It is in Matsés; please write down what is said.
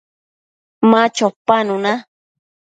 Ma chopanuna